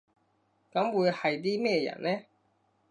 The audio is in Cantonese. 噉會係啲咩人呢？